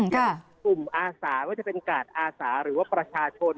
กลุ่มอาสาว่าจะเป็นกาดอาสาหรือว่าประชาชน